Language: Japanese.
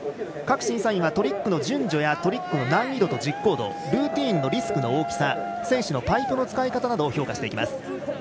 各審査員はトリックの順序やトリックの難易度と実行度ルーティンのリスクと大きさ選手のパイプの使い方などを評価していきます。